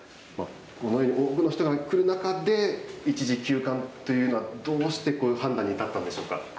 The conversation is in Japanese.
このように多くの人がくる中で、一時休館というのはどうしてこういう判断に至ったんでしょうか。